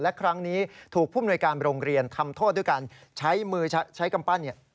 และครั้งนี้ถูกผู้มนวยการโรงเรียนทำโทษด้วยการใช้มือใช้กำปั้นเนี่ย